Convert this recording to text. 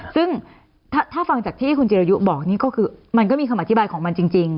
ซึ่งถ้าฟังจากที่คุณจิรยุบอกนี่ก็คือมันก็มีคำอธิบายของมันจริง